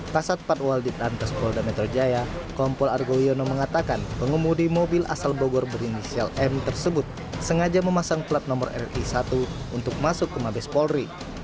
kasat patwal ditlantas polda metro jaya kompol argo yono mengatakan pengemudi mobil asal bogor berinisial m tersebut sengaja memasang plat nomor ri satu untuk masuk ke mabes polri